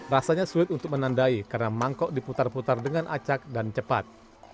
rasanya sulit untuk menandai karena mangkok diputar putar dengan acak dan cepat